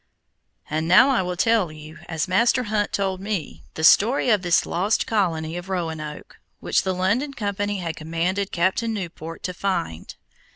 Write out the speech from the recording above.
And now I will tell you, as Master Hunt told me, the story of this lost colony of Roanoke, which the London Company had commanded Captain Newport to find.